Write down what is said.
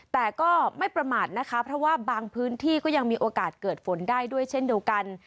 แต่ก็ไม่ประมาทนะคะเพราะว่าบางพื้นที่ก็ยังมีโอกาสเกิดฝนได้ด้วยเช่นเดียวกัน